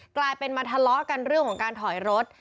กลายเป็นมาทะเลาะกันเรื่องของการถอยรถ